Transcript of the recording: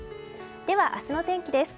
では、明日の天気です。